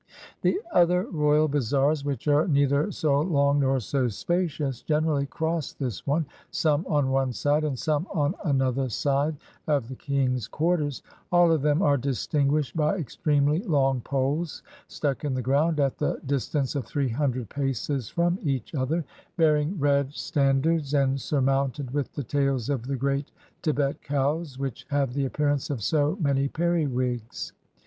The other royal bazaars, which are neither so long nor so spacious, generally cross this one, some on one side and some on another side of the king's quarters. All of them are distinguished by extremely long poles stuck in the ground at the dis tance of three hundred paces from each other, bearing red standards, and surmounted with the tails of the Great Tibet cows, which have the appearance of so many periwigs.